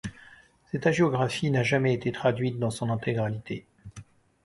Cette hagiographie n’a jamais été traduite dans son intégralité.